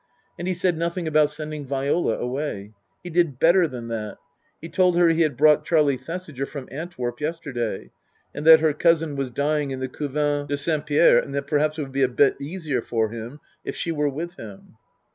And he said nothing about sending Viola away. He did better than that. He told her he had brought Charlie Thesiger from Antwerp yesterday, and that her cousin was dying in the Couvent de Saint Pierre, and that perhaps it would be a bit easier for him if she were with him.